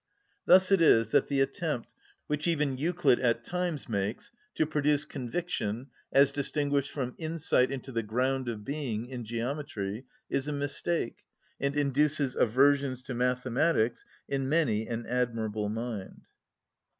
Thus it is that the attempt, which even Euclid at times makes, to produce conviction, as distinguished from insight into the ground of being, in geometry, is a mistake, and induces aversions to mathematics in many an admirable mind.